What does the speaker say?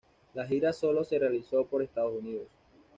La gira sólo se realizó por Estados Unidos.